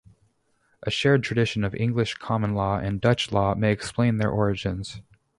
A shared tradition of English common law and Dutch law may explain their origins.